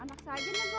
anak saja mah bu